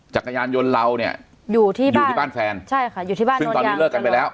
จักรยานยนต์เราเนี่ยอยู่ที่บ้านแฟนใช่ค่ะอยู่ที่บ้านโน้นยังซึ่งตอนนี้เลิกกันไปแล้ว